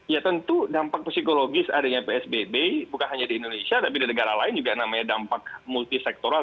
ya tentu dampak psikologis adanya psbb bukan hanya di indonesia tapi di negara lain juga namanya dampak multisektoral